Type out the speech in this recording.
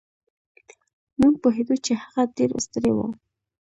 مونږ پوهېدو چې هغه ډېر ستړی و.